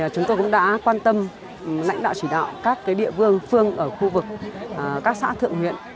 chúng tôi cũng đã quan tâm lãnh đạo chỉ đạo các địa phương phương ở khu vực các xã thượng huyện